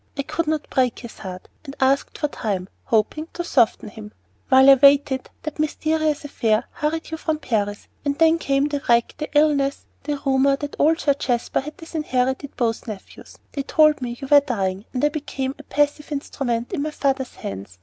I could not break his heart, and asked for time, hoping to soften him. While I waited, that mysterious affair hurried you from Paris, and then came the wreck, the illness, and the rumor that old Sir Jasper had disinherited both nephews. They told me you were dying, and I became a passive instrument in my father's hands.